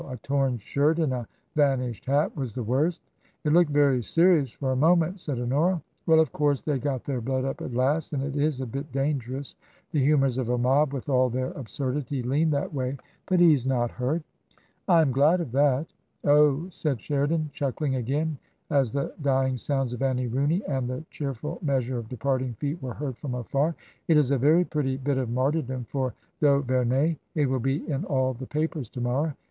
A torn shirt and a vanished hat was the worst.'* " It looked very serious for a moment," said Honora. " Well, of course they got their blood up at last, and it is a bit dangerous — ^the humours of a mob with all their absurdity lean that way. But he's not hurt." TRANSITION. 191 " I am glad of that." " Oh," said Sheridan, chuckling again as the dying sounds of " Annie Rooney" and the cheerful measure of departing feet were heard from afar, " it is a very pretty bit of martyrdom for d'Auvemey. It will be in all the papers to morrow.